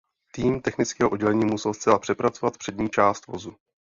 Tým technického oddělení musel zcela přepracovat přední část vozu.